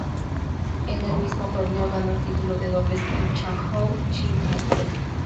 En el mismo torneo ganó el título de dobles con Chan Hao-ching como pareja.